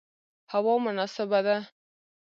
هوا مناسبه ده